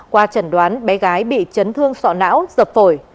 qua chẩn đoán bé gái bị chấn thương sọ não dập phổi